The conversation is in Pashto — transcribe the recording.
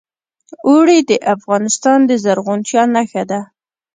اوړي د افغانستان د زرغونتیا نښه ده.